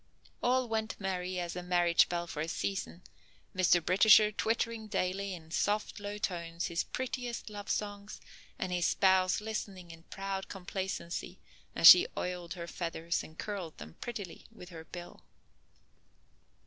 All went merry as a marriage bell for a season, Mr. Britisher twittering daily in soft low tones his prettiest love songs and his spouse listening in proud complacency as she oiled her feathers and curled them prettily with her bill.